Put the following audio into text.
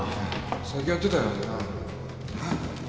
先やってたよ